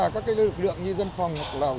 các lực lượng như dân phòng lầu